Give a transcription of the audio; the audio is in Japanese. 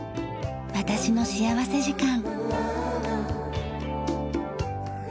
『私の幸福時間』。